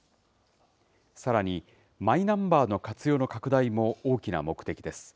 さらに、マイナンバーの活用の拡大も大きな目的です。